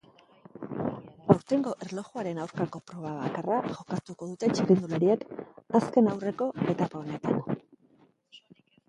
Aurtengo erlojuaren aurkako proba bakarra jokatuko dute txirrindulariek azken aurreko etapa honetan.